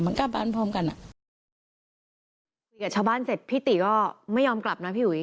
มันกลับบ้านพร้อมกันอ่ะคุยกับชาวบ้านเสร็จพี่ติก็ไม่ยอมกลับนะพี่หุย